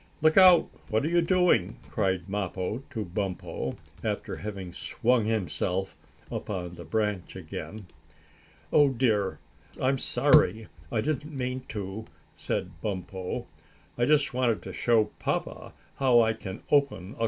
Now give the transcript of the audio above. "Look out! What are you doing?" cried Mappo to Bumpo, after having swung himself up on the branch again. "Oh dear! I'm sorry. I didn't mean to," said Bumpo. "I just wanted to show papa how I can open a cocoanut."